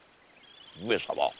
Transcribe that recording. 上様。